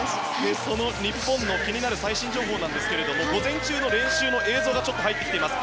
その日本の気になる最新情報ですが午前中の練習の映像が入ってきています。